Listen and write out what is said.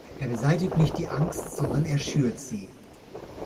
Er beseitigt nicht die Angst, sondern er schürt sie.